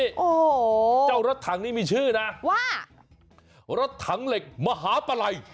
โอ้โหเจ้ารถถังนี้มีชื่อนะว่ารถถังเหล็กมหาปะไหล่